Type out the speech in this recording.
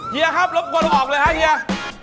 เฮียครับรบกวนออกเลยฮะเฮีย